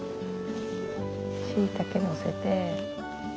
しいたけのせて。